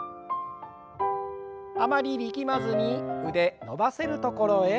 あまり力まずに腕伸ばせるところへ。